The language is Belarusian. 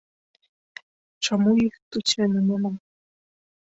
Чаму іх тут сёння няма?